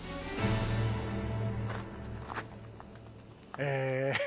え